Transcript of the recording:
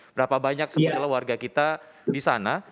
berapa banyak sebenarnya warga kita di sana